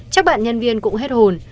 chắc bạn nhân viên cũng hết hồn